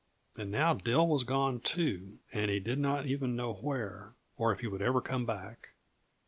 And now Dill was gone, too, and he did not even know where, or if he would ever come back.